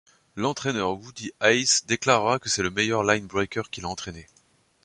L'entraineur Woody Hayes déclarera que c'est le meilleur linebacker qu'il a entrainé.